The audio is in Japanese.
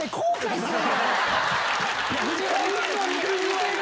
本当に！